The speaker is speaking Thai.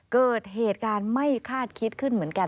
เกิดเหตุการณ์ไม่คาดคิดขึ้นเหมือนกัน